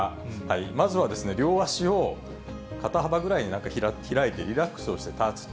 まずは両足を肩幅ぐらいに開いて、リラックスをして立つと。